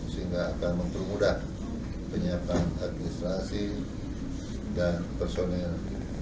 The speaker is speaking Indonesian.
sehingga akan mempermudah penyiapan administrasi dan personel